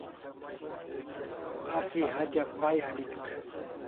Asi hatya pay al'ik